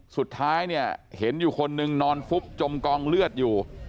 สุดท้ายเนี่ยเห็นอยู่คนนึงนอนฟุบจมกองเลือดอยู่